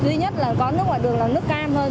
duy nhất là có nước ngoài đường là nước cam hơn